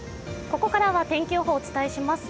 ここからは天気予報をお伝えします。